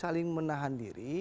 saling menahan diri